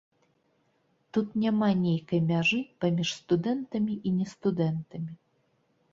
Тут няма нейкай мяжы паміж студэнтамі і нестудэнтамі.